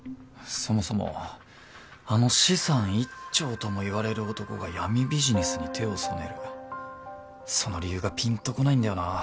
そもそもあの資産１兆ともいわれる男が闇ビジネスに手を染めるその理由がピンとこないんだよな。